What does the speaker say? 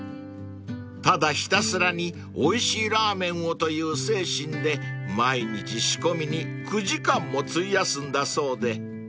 ［ただひたすらにおいしいラーメンをという精神で毎日仕込みに９時間も費やすんだそうで］